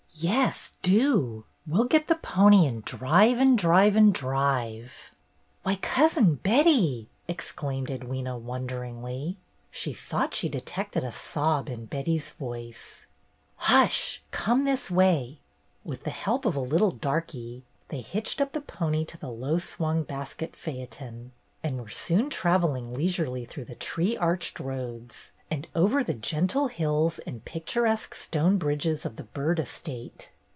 "Yes, do. We'll get the pony and drive and drive and drive!" "Why, Cousin Betty!" exclaimed Edwyna, wonderingly. She thought she detected a sob in Betty's voice. "Hush! Come this way." With the help of a little darky, they hitched up the pony to the low swung basket phaeton, and were soon travelling leisurely through the THE GYPSIES 287 tree arched roads, and over the gentle hills and picturesque stone bridges of the Byrd estate.